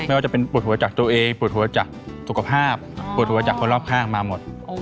ไม่ว่าจะเป็นปวดหัวจากตัวเองปวดหัวจากสุขภาพปวดหัวจากคนรอบข้างมาหมด